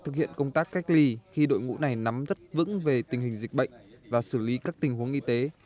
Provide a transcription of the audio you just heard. thực hiện công tác cách ly khi đội ngũ này nắm rất vững về tình hình dịch bệnh và xử lý các tình huống y tế